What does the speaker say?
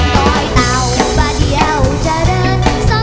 ก็ห้อนเหลือจอยหน้าแห้งน้ำ